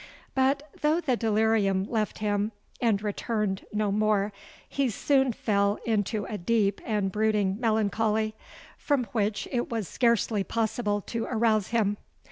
But though the delirium left him and returned no more, he soon fell into a deep and brooding melancholy, from which it was scarcely possible to arouse him.